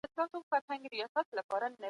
هیڅوک باید د سپکاوي هدف نه سي.